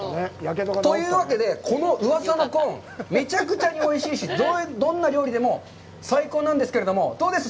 というわけで、この京都舞コーン、めちゃくちゃにおいしいし、どんな料理でも最高なんですけれども、どうです？